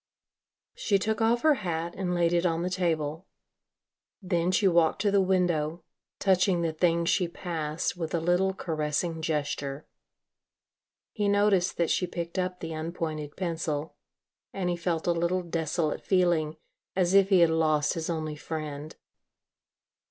She took off her hat and laid it on the table. Then she walked to the window, touching the things she passed with a little caressing gesture. He noticed that she picked up the unpointed pencil and he felt a little desolate feeling, as if he had lost his only friend.